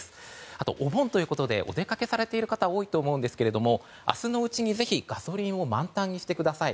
あとお盆ということでお出かけされている方が多いと思うんですが明日のうちにぜひガソリンを満タンにしてください。